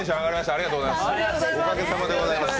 ありがとうございます。